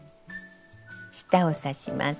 下を刺します。